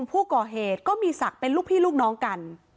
ผู้ก่อเหตุก็มีศักดิ์เป็นลูกพี่ลูกน้องกัน